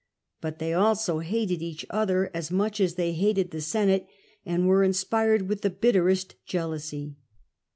But they also hated each other as much as they hated the Senate, and were inspired with the bitterest jealousy.